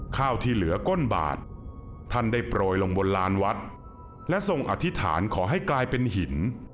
ข้าวที่เหลือก้นบาทท่านได้โปรยลงบนลานวัดและทรงอธิษฐานขอให้กลายเป็นหิน